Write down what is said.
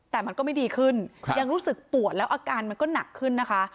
แต่มันก็ไม่ดีขึ้นยังรู้สึกปวดแล้วอาการมันก็หนักขึ้นนะคะ